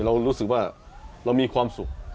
เรารู้สึกว่าเรามีความสุข